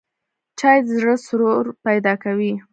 چای د زړه سرور پیدا کوي